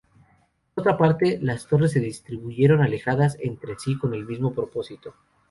Por otra parte, las torres se distribuyeron alejadas entre sí, con el mismo propósito.